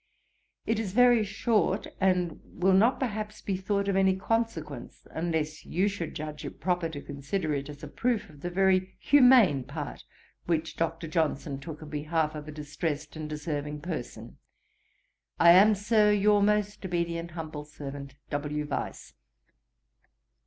It is very short, and will not perhaps be thought of any consequence, unless you should judge proper to consider it as a proof of the very humane part which Dr. Johnson took in behalf of a distressed and deserving person. I am, Sir, 'Your most obedient humble servant, 'W. VYSE.'